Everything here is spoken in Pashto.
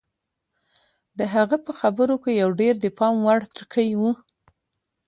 د هغه په خبرو کې یو ډېر د پام وړ ټکی و